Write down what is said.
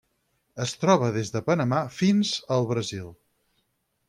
Es troba des de Panamà fins al Brasil.